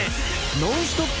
ノンストップ！